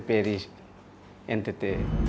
ktp di ntt